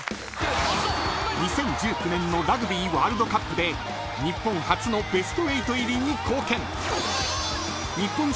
［２０１９年のラグビーワールドカップで日本初のベスト８入りに貢献］